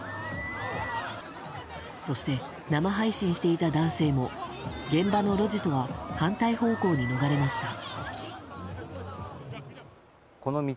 そして、生配信していた男性も現場の路地とは反対方向に逃れました。